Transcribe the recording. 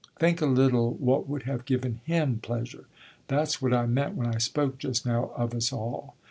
Think a little what would have given him pleasure. That's what I meant when I spoke just now of us all.